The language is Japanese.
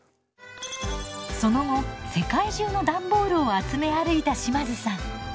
その後世界中の段ボールを集め歩いた島津さん。